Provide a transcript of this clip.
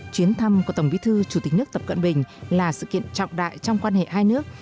chuyến thăm của tổng bí thư chủ tịch nước tập cận bình là sự kiện trọng đại trong quan hệ hai nước